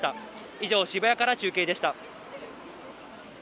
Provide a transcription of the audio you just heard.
以上、渋谷から中継でした。